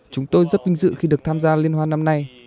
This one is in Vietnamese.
chúng tôi rất vinh dự khi được tham gia liên hoan năm nay